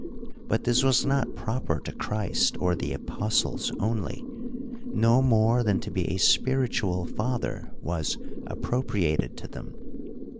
But this was not proper to Christ or the apostles only, no more than to be a spiritual father was appropriated to them.